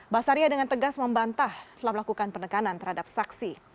basaria dengan tegas membantah setelah melakukan penekanan terhadap saksi